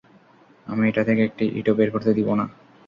আমি এটা থেকে একটি ইটও বের করতে দিব না।